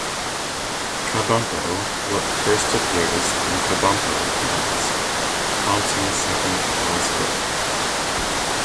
Kabumpo first appears in "Kabumpo in Oz", Thompson's second "Oz" book.